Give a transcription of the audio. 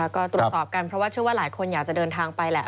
ก็ตรวจสอบกันเพราะว่าเชื่อว่าหลายคนอยากจะเดินทางไปแหละ